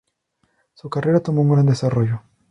Su carrera tomó un gran desarrollo.